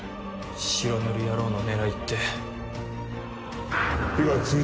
白塗り野郎の狙いって。